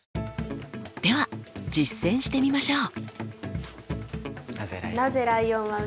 では実践してみましょう！